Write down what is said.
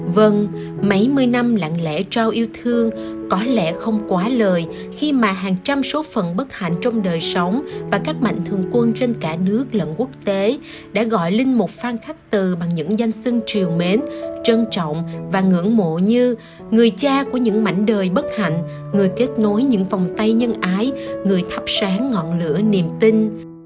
vâng mấy mươi năm lạng lẽ trao yêu thương có lẽ không quá lời khi mà hàng trăm số phần bất hạnh trong đời sống và các mạnh thường quân trên cả nước lận quốc tế đã gọi linh một phan khách từ bằng những danh sân triều mến trân trọng và ngưỡng mộ như người cha của những mảnh đời bất hạnh người kết nối những vòng tay nhân ái người thắp sáng ngọn lửa niềm tin